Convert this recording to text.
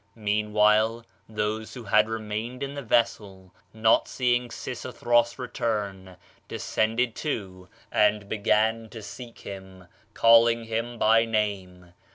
"Meanwhile those who had remained in the vessel, not seeing Xisutbros return, descended too, and began to seek him, calling him by his name.